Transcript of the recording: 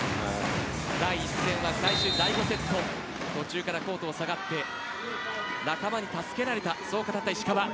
第１戦は最終第５セット途中から、コートを下がって仲間に助けられたそう語った石川。